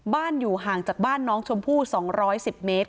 อยู่ห่างจากบ้านน้องชมพู่๒๑๐เมตร